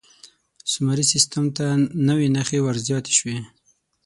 سومري سیستم ته نوې نښې ور زیاتې شوې.